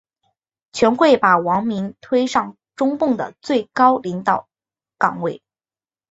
全会把王明推上中共的最高领导岗位。